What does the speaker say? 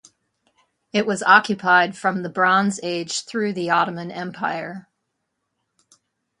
It was occupied from the Bronze Age through the Ottoman Empire.